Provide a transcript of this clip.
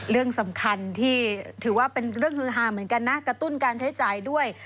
เรื่องสำคัญที่ถือว่าเป็นเรื่องฮือฮาเหมือนกันนะกระตุ้นการใช้จ่ายด้วย